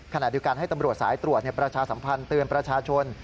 ขณะเดียวกันให้ตำรวจสายตรวจประชาสัมพันธ์เตือนประชาชน